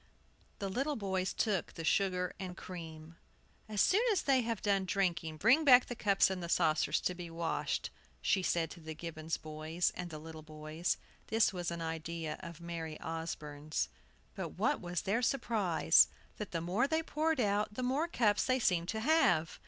The little boys took the sugar and cream. "As soon as they have done drinking bring back the cups and saucers to be washed," she said to the Gibbons boys and the little boys. This was an idea of Mary Osborne's. But what was their surprise, that the more they poured out, the more cups they seemed to have!